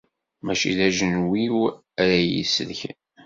Mačči d ajenwi-w ara iyi-isellken.